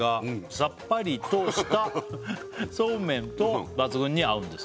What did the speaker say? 「さっぱりとしたそうめんと抜群に合うんです」